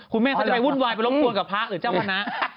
คุณแม่เขาจะไปวุ่นวายไปรบกวนกับพระหรือเจ้าคณะ